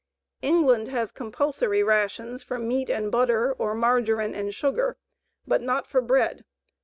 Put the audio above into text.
"] England has compulsory rations for meat and butter or margarine and sugar, but not for bread.